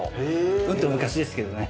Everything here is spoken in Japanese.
うんと昔ですけどね。